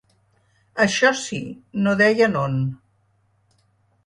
Això sí: no deien on.